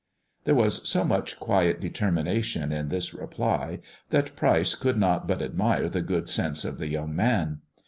There was so much quiet determination in this reply, that Pryce could not but admire the good sense of the young man.